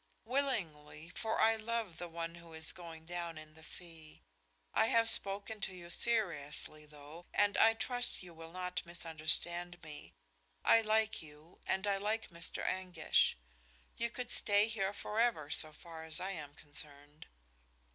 "Willingly, for I love the one who is going down in the sea. I have spoken to you seriously, though, and I trust you will not misunderstand me. I like you and I like Mr. Anguish. You could stay here forever so far as I am concerned."